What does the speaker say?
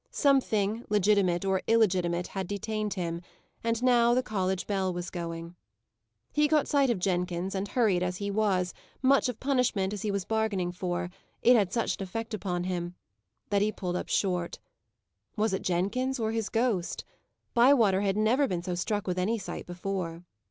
Something, legitimate or illegitimate, had detained him, and now the college bell was going. He caught sight of Jenkins, and, hurried as he was, much of punishment as he was bargaining for, it had such an effect upon him, that he pulled up short. Was it Jenkins, or his ghost? Bywater had never been so struck with any sight before.